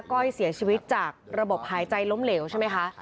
ก้อยเสียชีวิตจากระบบหายใจล้มเหลวใช่ไหมคะ